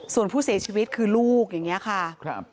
ส่วนผู้เสียชีวิตคือลูกอย่างนี้ค่ะ